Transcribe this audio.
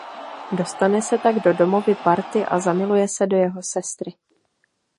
Dostane se tak do Domovy party a zamiluje se do jeho sestry.